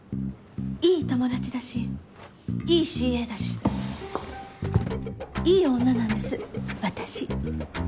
いい友達だしいいＣＡだしいい女なんです私。